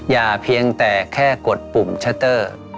เพียงแต่แค่กดปุ่มชัตเตอร์